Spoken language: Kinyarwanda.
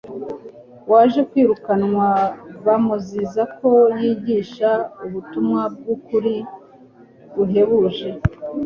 waje kwirukanwa bamuziza ko yigishaga ubutumwa bw'ukuri guhebuje